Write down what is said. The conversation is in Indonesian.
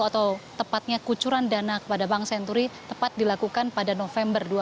atau tepatnya kucuran dana kepada bank senturi tepat dilakukan pada november dua ribu dua puluh